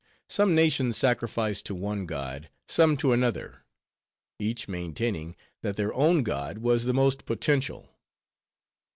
Some nations sacrificed to one god; some to another; each maintaining, that their own god was the most potential.